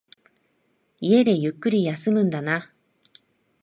家でゆっくり休むんだな。